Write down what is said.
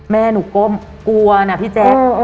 แม่หนูก้มกลัวนะพี่แจ๊ค